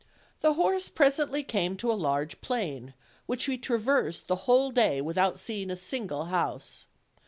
The horse presently came to a large plain, which he traversed the whole day without seeing a single house.